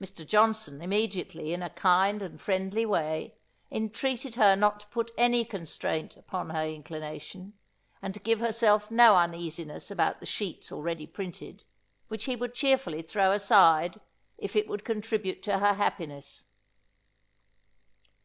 Mr. Johnson immediately, in a kind and friendly way, intreated her not to put any constraint upon her inclination, and to give herself no uneasiness about the sheets already printed, which he would cheerfully throw aside, if it would contribute to her happiness.